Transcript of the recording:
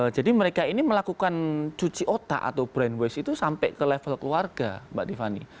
jadi mereka ini melakukan cuci otak atau brain waste itu sampai ke level keluarga mbak tiffany